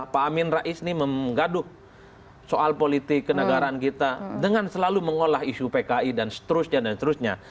pak amin rais ini menggaduh soal politik kenegaraan kita dengan selalu mengolah isu pki dan seterusnya dan seterusnya